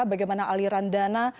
bagaimana aliran dana